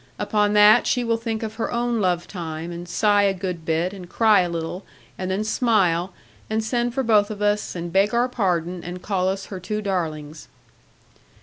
Upon that, she will think of her own love time, and sigh a good bit, and cry a little, and then smile, and send for both of us, and beg our pardon, and call us her two darlings.'